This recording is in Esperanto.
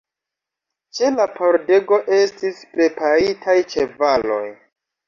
Ĉe la pordego estis preparitaj ĉevaloj.